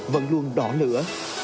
vẫn luôn đỏ lửa